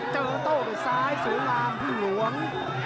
เจ้าต้นโต้ที่ซ้ายสูงลำพิ่งหลวง